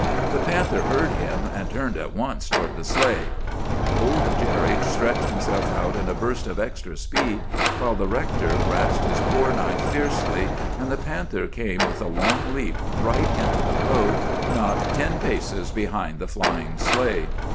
The panther heard him and turned at once toward the sleigh. "Old Jerry stretched himself out in a burst of extra speed, while the rector grasped his poor knife fiercely; and the panther came with a long leap right into the road, not ten paces behind the flying sleigh.